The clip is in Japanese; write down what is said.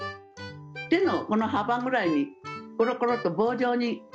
手のこの幅ぐらいにコロコロと棒状に。